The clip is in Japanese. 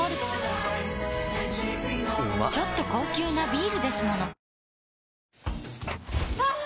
ちょっと高級なビールですものはぁ！